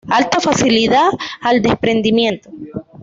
Alta facilidad al desprendimiento.